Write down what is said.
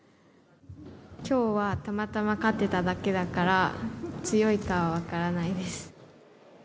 きょうはたまたま勝てただけだから、強いかは分からないです。